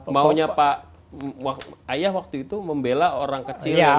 maunya pak ayah waktu itu membela orang kecil yang bisa kecil